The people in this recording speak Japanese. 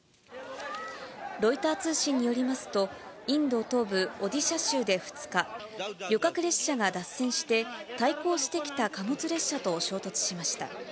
ロイター通信によりますと、インド東部オディシャ州で２日、旅客列車が脱線して、対向してきた貨物列車と衝突しました。